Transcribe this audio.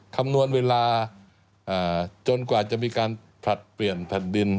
คำนวณเวลาจนกว่าจะมีการผลัดเปลี่ยนแผ่นดิน